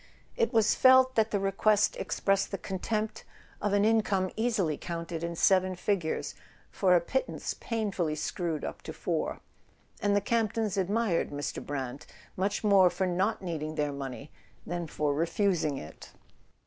It was felt that the request expressed the contempt of an income easily counted in seven figures for a pittance painfully screwed up to four; and the Camp tons admired Mr. Brant much more for not needing their money than for refusing it.